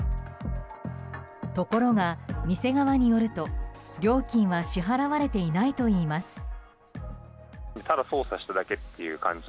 ところが店側によると料金は支払われていないといいます。